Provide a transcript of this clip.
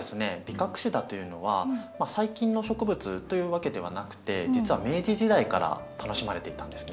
ビカクシダというのは最近の植物というわけではなくて実は明治時代から楽しまれていたんですね。